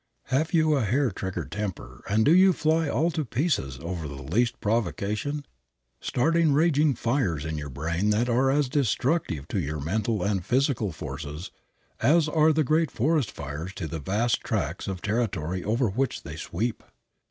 Have you a hair trigger temper, and do you fly all to pieces over the least provocation, starting raging fires in your brain that are as destructive to your mental and physical forces as are the great forest fires to the vast tracts of territory over which they sweep?